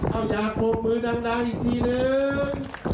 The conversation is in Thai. เอ้าอยากบุกมือดั่งอีกทีหนึ่ง